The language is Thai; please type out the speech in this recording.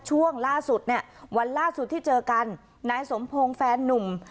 ช่วงล่าสุดเนี่ยวันล่าสุดที่เจอกันนายสมพงศ์แฟนนุ่ม